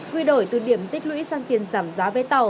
quy đổi từ điểm tích lũy sang tiền giảm giá vé tàu